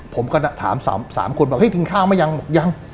ผมก็ถามสามสามคนบอกเฮ้ยกินข้าวมั้ยยังบอกยัง